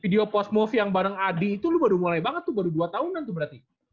video post move yang bareng adi itu lu baru mulai banget tuh baru dua tahunan tuh berarti